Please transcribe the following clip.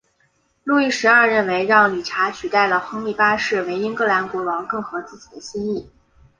路易十二认为让理查取代亨利八世为英格兰国王更合自己的心意。